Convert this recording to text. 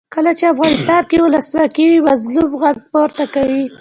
کله چې افغانستان کې ولسواکي وي مظلوم غږ پورته کوي.